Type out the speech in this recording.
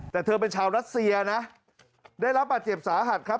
แต่เธอเป็นชาวรัสเซียนะได้รับบาดเจ็บสาหัสครับ